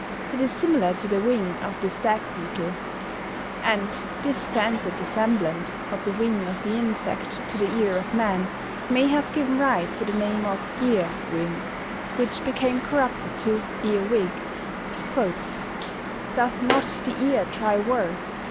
It is similar to the wing of the stag beetle (see illustration), and this fancied resemblance of the wing of the insect to the ear of man may have given rise to the name of ear wing, which became corrupted to earwig. [Verse: "Doth not the ear try words?